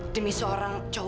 demi seorang cowoknya